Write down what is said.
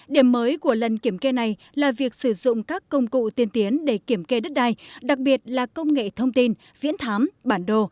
điểm mới của lần kiểm kê này là việc sử dụng các công cụ tiên tiến để kiểm kê đất đai đặc biệt là công nghệ thông tin viễn thám bản đồ